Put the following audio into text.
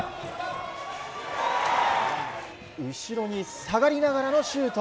後ろに下がりながらのシュート。